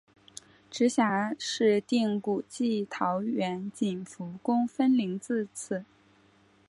直辖市定古迹桃园景福宫分灵自此。